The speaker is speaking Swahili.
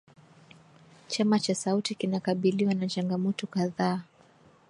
Chama cha Skauti kinakabiliwa na changamoto kadhaa